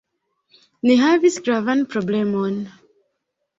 Ni havis gravan problemon.